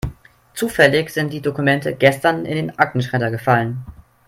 Zufällig sind die Dokumente gestern in den Aktenschredder gefallen.